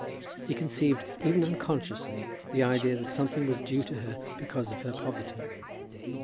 He conceived even unconsciously the idea that something was due to her because of her poverty.